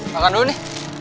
makan dulu nih